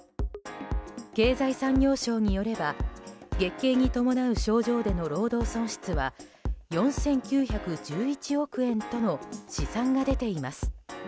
経済産業省によれば月経に伴う症状での労働損失は４９１１億円との試算が出ています。